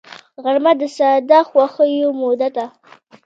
غرمه د ساده خوښیو موده ده